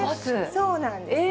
そうなんです。